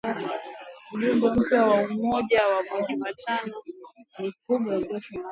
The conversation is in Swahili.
Mjumbe mpya wa Umoja wa mataifa kwa Jamhuri ya Afrika ya kati siku ya Jumatano